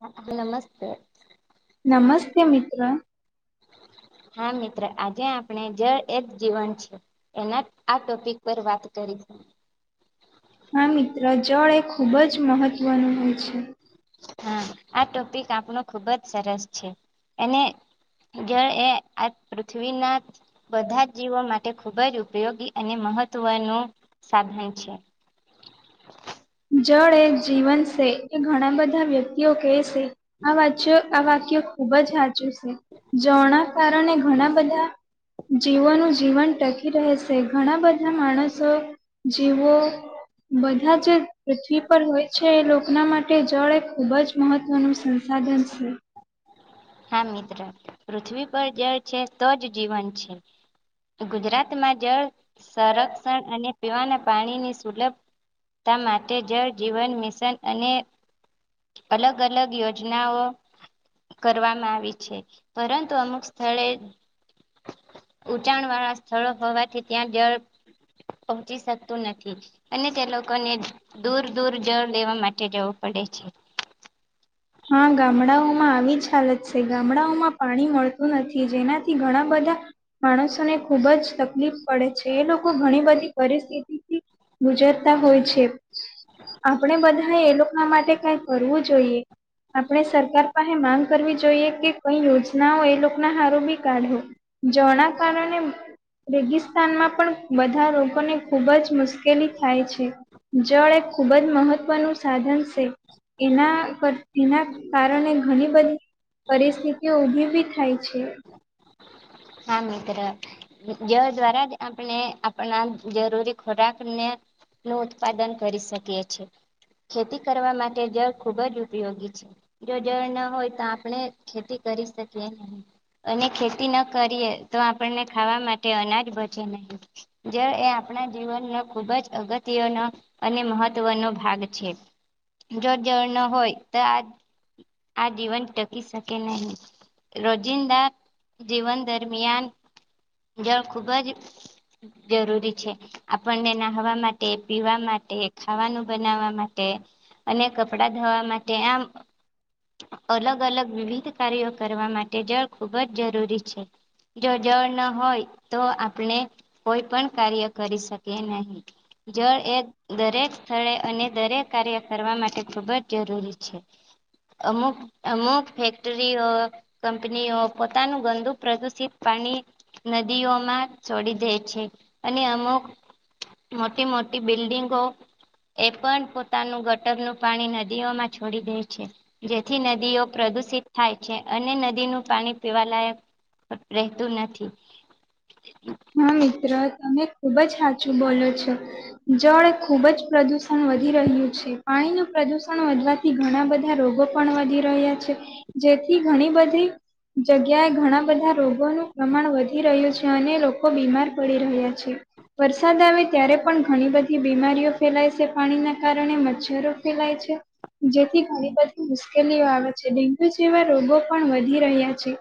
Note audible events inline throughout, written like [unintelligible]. નમસ્તે નમસ્તે મિત્ર હા મિત્ર આજે આપણે જળ એ જ જીવન છે એના આ ટોપિક પર વાત કરીશ હા મિત્ર જળ એ ખૂબ જ મહત્વનું હોય છે હા આ ટોપિક આપણો ખુબ જ સરસ છે એને જડ એ આ પૃથ્વી નાજ બધા જ જીવો માટે ખૂબ જ ઉપયોગી અને મહત્ત્વનું સાધન છે જળ એ જ જીવન છે એ ઘણા બધા વ્યક્તિઓ કે છે આ વાચ્યો આ વાક્ય ખુબ જ હાચું સે જળ ના કારણે ઘણા બધા જીવોનું જીવન ટકી રહે છે ઘણા બધા માણસો જીવો બધા જે પૃથ્વી પર હોય છે એ લોક એના માટે જળ એક ખૂબ જ મહત્વનું સંસાધન છે હા મિત્ર પૃથ્વી પર જળ છે તો જ જીવન છે ગુજરાતમાં જળ સંરક્ષણ અને પીવાના પાણીની સુલભ તા માટે જળ જીવન મિશન અને અલગ અલગ યોજનાઓ કરવામાં આવી છે પરંતુ અમુક સ્થળે ઉચાણ વાળા સ્થ સ્થળો હોવાથી ત્યાં જળ પહોંચી શકતું નથી અને તે લોકોને દૂર દૂર જળ લેવા માટે જવું પડે છે હા ગામડાઓમાં આવી જ હાલત છે ગામડાઓમાં પાણી મળતું નથી જેનાથી ઘણા બધા માણસોને ખુબ જ તકલીફ પડે છે એ લોકો ઘણી બધી પરિસ્થિતિ થી ગુજરતા હોય છે આપણેે બધા ને એ લોકો ના માટે કંઈક કરવું જોઈએ આપણે સરકાર પાસે માંગ કરવી જોઈએ કે, કઈ યોજનાઓ એ લોકો ના હરોપી કાઠું, જણા કારણે રેગિસ્તાનમાં પણ બધા લોકોને ખૂબ જ મુશ્કેલી થાય છે. જળ એ ખૂબ જ મહત્વનું સાધન છે, એના કર એના કારણે ઘણી બધી પરિસ્થિતિઓ ઉભી બી થાય છે. હા, મિત્ર જે દ્વારા જ આપણે આપણા જરૂરી ખોરાક ને નું ઉત્પાદન કરી શકીએ છીએ, ખેતી કરવા માટે જળ ખૂબ જ ઉપયોગી છે. જો જળ ન હોય, તો આપણે ખેતી કરી શકીએ નહી. અને ખેતી ન કરીએ, તો આપણને ખાવા માટે અનાજ બચે નહી. જળ એ આપણા જીવનને ખુબ જ અગત્યનો અને મહત્વનો ભાગ છે, જો જળ ન હોય તો આ આ જીવન ટકી શકે નહી, રોજિંદા જીવન દરમિયાન, જળ ખુબ જ જરૂરી છે, આપણને નાહવા માટે, પીવા માટે, ખાવાનું બનાવવા માટે કે અને કપડા ધોવા માટે આમ અલગ-અલગ વિવિધ કાર્યો કરવા માટે જળ ખૂબ જ જરૂરી છે. જો જળ ન હોય તો, આપણે કોઈ પણ કાર્ય કરી શકે નહી, જળ એ દરેક સ્થળે અને દરેક કાર્ય કરવા માટે ખૂબ જ જરૂરી છે. અમુક-અમુક ફેક્ટરીઓ, કંપનીઓ પોતાનું ગંદુ પ્રદુષિત પાણી નદીઓમાં છોડી દે છે. અને અમુક મોટી-મોટી બિલ્ડિંગો એ પણ પોતાનું ગટરનું પાણી નદીઓમાં છોડી દે છે. જેથી નદીઓ પ્રદુષિત થાય છે અને નદીનું પાણી પીવા લાયક રહેતું નથી. હા, મિત્ર તમે ખુબ જ સાચું બોલો છો. જળ ખુબ જ પ્રદુષણ વધી રહ્યું છે, પાણીનું પ્રદુષણ વધવા ઘણા બધા રોગો પણ વધી રહ્યા છે, જેથી ઘણી બધી જગ્યાએ ઘણા બધા રોગોનું પ્રમાણ વધી રહ્યું છે. અને લોકો બીમાર પડી રહ્યા છે, વરસાદ આવે ત્યારે પણ ઘણી બધી બીમારીઓ ફેલાય છે પાણીના કારણે, મચ્છરો ફેલાય છે. જેથી ઘણી બધી મુશ્કેલીઓ આવે છે, ડેન્ગ્યુ જેવા રોગો પણ વધી રહ્યા છે.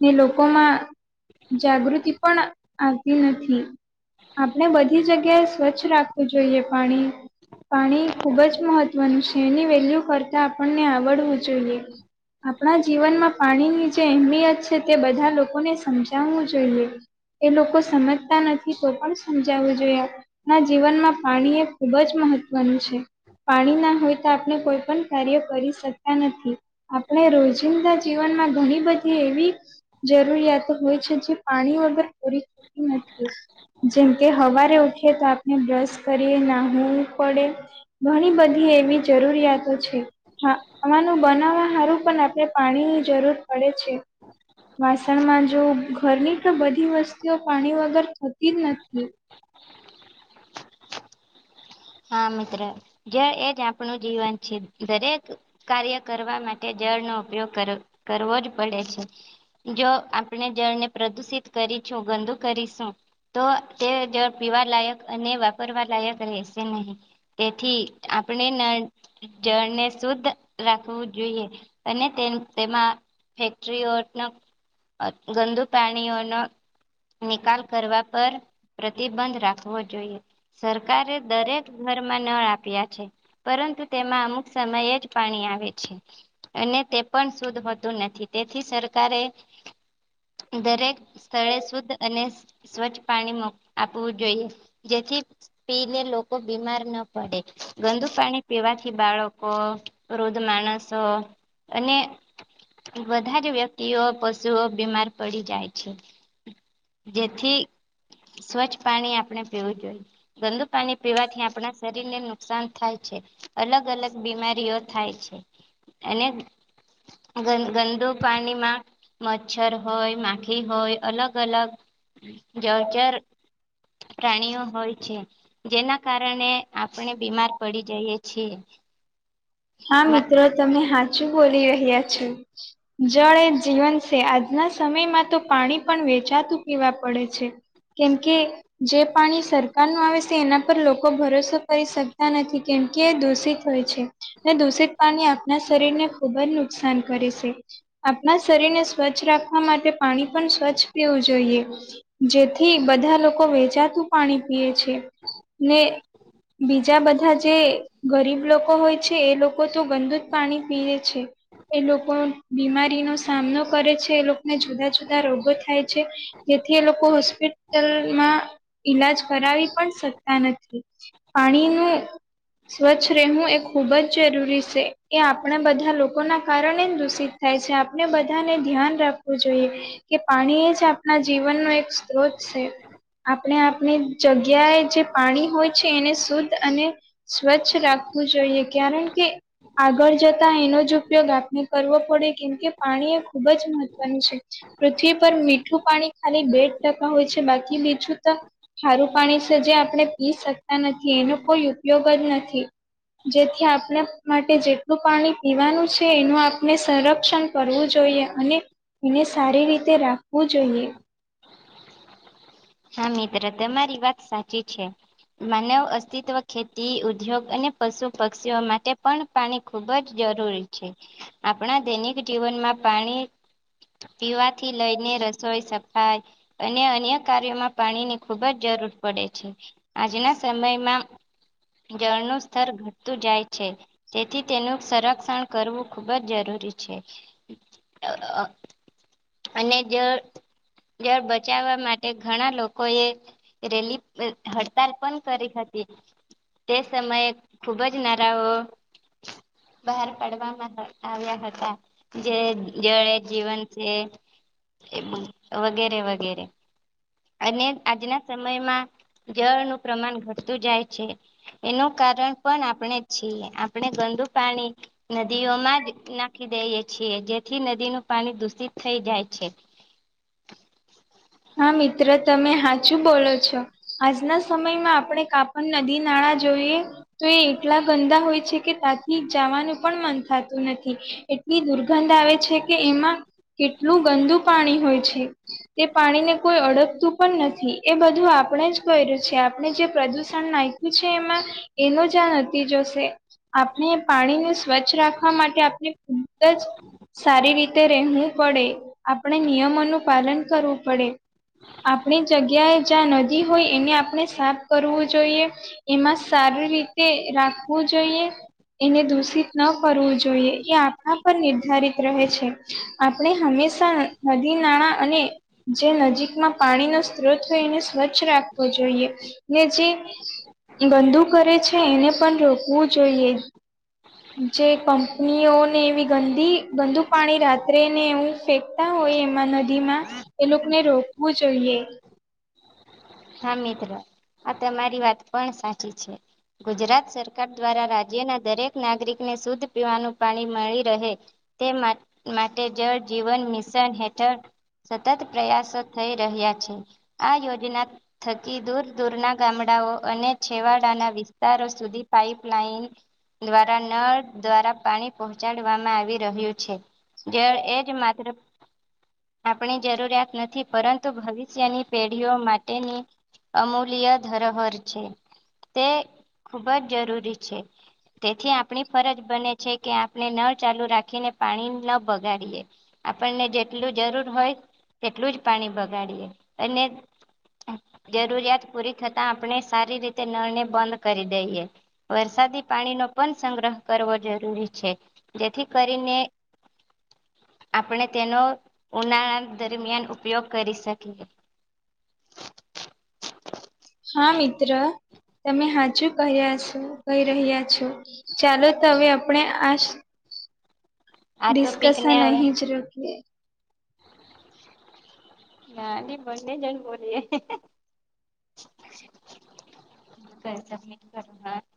ને લોકોમાં જાગૃતિ પણ આવતી નથી. આપણે બધી જગ્યાએ સ્વચ્છ રાખવું જોઈએ, પાણી પાણી ખુબ જ મહત્વનું છે, એની વેલ્યુ કરતા આપણને આવડવું જોઈએ. આપણા જીવનમાં પાણીની જે અહેમિયત છે, તે બધા લોકોને સમજાવવું જોઈએ. એ લોકો સમજતા નથી, તો પણ સમજાવવું જોઈએ, આપ ના જીવનમાં પાણી એ ખૂબ જ મહત્વનું છે. પાણી ના હોય તો આપણે કોઈ પણ કાર્ય કરી શકતા નથી. આપણે રોજિંદા જીવનમાં ઘણી બધી એવી જરૂરિયાતો હોય છે, જે પાણી વગર પૂરી થતી નથી. જેમ કે, હવારે ઉઠીએ તો આપણે બ્રશ કરીએ, નાહવું પડે. ઘણી બધી એવી જરૂરિયાતો છે. હા, ખાવાનું બનાવવા હારું પણ આપણે પાણીની જરૂર પડે છે. વાસણમાં જો ઘરની તો બધી વસ્તુઓ પાણી વગર થતી જ નથી. હા મિત્ર જળ એજ આપણું જીવન છે દરેક કાર્ય કરવા માટે જળનો ઉપયોગ કરવો કરવો જ પડે છે. જો આપણે જળને પ્રદુષિત કરીશું ગંદુ કરીશું તો તે જ પીવા લાયક અને વાપરવા લાયક રહે. હમ તેથી આપણે નળ જળને શુદ્ધ રાખવું જોઈએ અને તે તેમાં ફેક્ટરીઓનો ગંદુ પાણીઓનો નિકાલ કરવા પર પ્રતિબંધ રાખવો જોઈએ સરકારે દરેક ઘરમાં નળ આપ્યા છે. પરંતુ તેમાં અમુક સમય જ પાણી આવે છે. અને તે પણ શુદ્ધ હોતું નથી. તેથી સરકારે દરેક સ્થળે શુદ્ધ અને સ્વચ્છ પાણીમાં આપવું જોઈએ જેથી પીને લોક કો બીમાર ન પડે ગંદુ પાણી પીવાથી બાળકો વૃદ્ધ માણસો, અને બધા જ વ્યક્તિઓ પશુઓ બીમાર પડી જાય છે. જેથી સ્વચ્છ પાણી આપણે પીવું જોઈએ. ગંદુ પાણી પીવાથી આપણા શર રીર ને નુકસાન થાય છે. અલગ અલગ બીમારીઓ થાય છે. અને [unintelligible] પાણી માં મચ્છર હોય, માખી હોય, અલગ અલગ જળચર પ્રાણીઓ હોય છે. જેના કારણે આપણે બીમાર પડી જઈએ છીએ. હા મિત્ર તમે હાચું બોલી રહ્યા છો. જળ એ જીવન છે. આજના સમયમાં તો પાણી પણ વેચાતું પીવા પડે છે. કેમકે જે પાણી સરકાર નો આવે સે. એના પર લોકો ભરોસો કરી શકતા નથી. કેમ કે એ દૂષિત હોય છે. ને દૂષિત પાણી આપણા શરીરને ખૂબ જ નું નુકસાન કરે છે. આપણા શરીર ને સ્વચ્છ રાખવા માટે પાણી પણ સ્વચ્છ પીવું જોઈએ. જેથી બધા લોકો વેચાતું પાણી પીએ છે. ને બીજા બધા જે ગરીબ લોકો હોય છે તો એ લોકો તો ગંદુ જ પાણી પીવે છે. એ લોકો બીમારીનો સામનો કરે છે. એ લોકને જુદા જુદા રોગો થાય છે. તેથી એ લોકો હોસ્પિટલમાં ઈલાજ કરાવી પણ શકતા નથી. પાણી નું સ્વચ્છ રહેવું એક ખૂબ જ જરૂરી છે. એ આપણે બધા લોકો ના કારણે દૂષિત થાય છે. આપણે બધાને ધ્યાન રાખવું જોઈએ. કે પાણી એ જ આપણા જીવનનો એક સ્ત્રોત છે. આપણે આપણે જગ્યાએ જે પાણી હોય છે. એને શુદ્ધ અને સ્વચ્છ રાખવું જોઈએ. કારણ કે આગળ જતા એનો જ ઉપયોગ આપણે કરવો પડે કેમ કે પાણી એ ખુબ જ મહત્વનું છે. પૃથ્વી પર મીઠું પાણી ખાલી બે જ ટકા હોય છે. બાકી બીજું તો ખારું પાણી છે. જે આપણે પી શકતા નથી, એનો કોઈ ઉપયોગ જ નથી. જેથ થી આપણા માટે જેટલું પાણી પીવાનું છે. એનું આપણે સંરક્ષણ કરવું જોઈએ. અને એને સારી રીતે રાખવું જોઈએ. હા, મિત્ર તમારી વાત સાચી છે. માનવ અસ્તિત્વ, ખેતી ઉદ્યોગ અને પશુ પક્ષીઓ માટે પણ પાણી ખૂબ જ જરૂરી છે, આપણા દૈનિક જીવનમાં પાણી પીવાથી લઈને રસોઈ, સફાઈ અને અન્ય કાર્યોમાં પાણીની ખુબ જ જરૂર પડે છે, આજના સમયમાં જળનું સ્તર ઘટતું જાય છે. તેથી તેનું સંરક્ષણ કરવું, ખુબ જ જરૂરી છે. અને જળ, જળ બચાવવા માટે ઘણા લોકો એ રેલી, હડતાલ પણ કરી હતી. તે સમયે ખુબ જ નારાઓ બહાર પાડવામાં આવ્યા હતા, જે જળ એ જીવન એ, વગેરે.. વગેરે અને આજના સમયમાં જળનું પ્રમાણ ઘટતું જાય છે. એનું કારણ પણ આપણે છીએ, આપણે ગંદુ પાણી નદીઓમાં જ નાખી દઈએ છીએ, જેથી નદીનું પાણી દૂષિત થઈ જાય છે. હા, મિત્ર તમે હાચું બોલો છો, આજના સમયમાં આપણે કાપ નદી-નાળા જોઈએ તો, એ એટલા ગંદા હોય છે, કે તા થી જવાનું મન થતું નથી, એટલી દુર્ગંધ આવે છે. કે એમાં કેટલું ગંદુ પાણી હોય છે. તે પાણીને કોઈ અડગતું પણ નથી, એ બધું આપણે જ કર્યું છે, આપણે જે પ્રદુષણ નાખ્યું છે એમાં એનો જ આ નતીજો સે. આપણે પાણી ને સ્વચ્છ રાખવા માટે આપણે ખુદ જ સારી રીતે રહેવું પડે, આપણે નિયમોનું પાલન કરવું પડે. આપણી જગ્યાએ જ્યાં નદી હોય એને આપણે સાફ કરવું જોઈએ. એમાં સારી રીતે રાખવું જોઈએ. એને દૂષિત ન કરવું જોઈએ, એ આપણા પર નિર્ધારિત રહે છે. આપણે હંમેશા નદી નાણા અને જે નજીકમાં પાણીનો સ્ત્રોત હોય, એને સ્વચ્છ રાખવો જોઈએ, ને જે ગંદુ કરે છે, એને પણ રોકવું જોઈએ. જે કંપનીઓને એવી ગંદી, ગંદુ પાણી રાત્રે ને એવું ફેક ફેંકતા હોય એમાં નદી માં એ લોકને રોકવું જોઈએ. હા, મિત્રો આ તમારી વાત પણ સાચી છે. ગુજરાત સરકાર દ્વારા રાજ્યના દરેક નાગરિકને શુદ્ધ પીવાનું પાણી મળી રહે. તે મા, માટે જળ જીવન મિશન હેઠળ સતત પ્રયાસો થઈ રહ્યા છે, આ યોજના થકી દૂર-દૂરના ગામડાઓ અને છેવાડાના વિસ્તારો સુધી પાઈપલાઇન દ્વારા, નળ દ્વારા પાણી પહોંચાડવામાં આવી રહ્યું છે. જળ એ જ માત્ર આપણી જરૂરિયાત નથી, પરંતુ ભવિષ્યની પેઢીઓ માટેની અમૂલ્ય ધરોહર છે, તે ખૂબ જ જરૂરી છે. તેથી આપણી ફરજ બને છે કે, આપડે નળ ચાલુ રાખીને પાણી ન બગાડીએ. આપણને જેટલું જરૂર હોય, તેટલું જ પાણી બગાડીએ અને [inaudible] જરૂરિયાત પૂરી થતા આપણે સારી રીતે નળ ને બંધ કરી દઈએ, વરસાદી પાણીનો પણ સંગ્રહ કરવો જરૂરી છે જેથી કરીને આપણે તેનો ઉનાળા દરમિયાન ઉપયોગ કરી શકીએ. [inaudible] હા મિત્ર તમે સાચું ક્યા છો કહી રહ્યા છો ચાલો તો હવે આપણે આ જ આ ટોપિકને ડિસ્કસન અહીં જ રકીએ [inaudible] નાની બંને જણ બોલીએ [inaudible] [unintelligible]